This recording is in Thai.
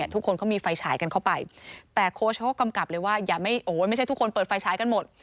ทุกคนเขามีไฟฉายกันเข้าไปแต่โค้ชเขาก็กำกับเลยว่าอย่าไม่โอ้ยไม่ใช่ทุกคนเปิดไฟฉายกันหมด